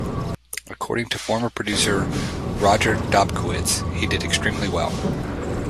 According to former producer Roger Dobkowitz, he did extremely well.